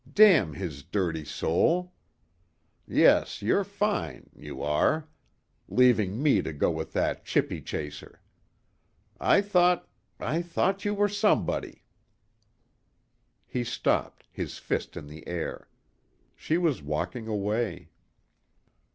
Damn his dirty soul! Yes, you're fine, you are! Leaving me to go with that chippy chaser. I thought ... I thought you were somebody." He stopped, his fist in the air. She was walking away.